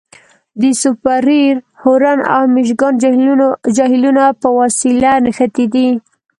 د سوپریر، هورن او میشګان جهیلونه په وسیله نښتي دي.